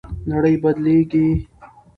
نړۍ بدلیږي.